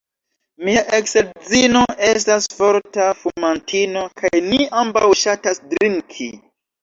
Mia eksedzino estas forta fumantino kaj ni ambaŭ ŝatas drinki.